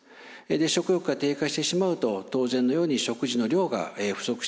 食欲が低下してしまうと当然のように食事の量が不足してしまいます。